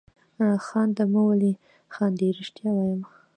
خانده مه ولې خاندې؟ رښتیا وایم.